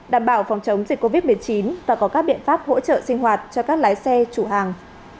đảm bảo phòng chống dịch covid một mươi chín và có các biện pháp hỗ trợ sinh hoạt cho các lái xe chủ hàng